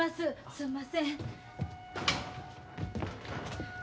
すんません。